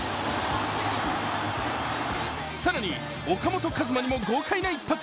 更に岡本和真にも豪快な一発。